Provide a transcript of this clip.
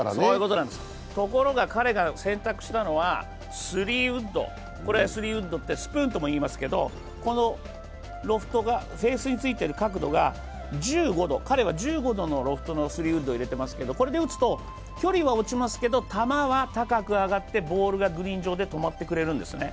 ところが彼が選択したのはスリーウッド、スプーンともいいますけど、このロフトが、フェースについている角度が関連は１５度のロフトの３ウッド使ってますけど、これで打つと距離は落ちますけど球は高く上がってボールがグリーン上で止まってくれるんですね。